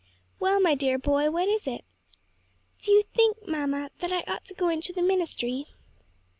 "Well, my dear boy, what is it?" "Do you think, mamma, that I ought to go into the ministry?"